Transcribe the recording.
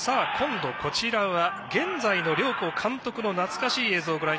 今度、こちらは現在の両校監督の懐かしい映像です。